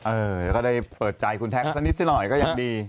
เออก็ได้เปิดใจคุณแท็กสักนิดซะหน่อยก็ยังดี